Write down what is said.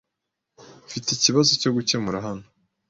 Mfite ikibazo cyo gukemura hano.